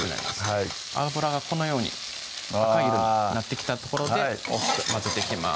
はい油がこのように赤い色になってきたところで大きく混ぜていきます